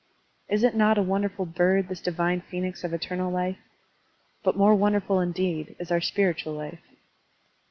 Is it not a wonderful bird, this divine phenix of eternal life? But more wonderful indeed is our spiritual Ufe.